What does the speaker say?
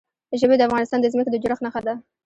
ژبې د افغانستان د ځمکې د جوړښت نښه ده.